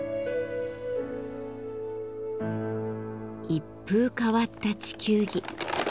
一風変わった地球儀。